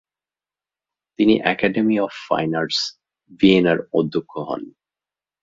তিনি academy of fine arts ভিয়েনার অধ্যক্ষ হন।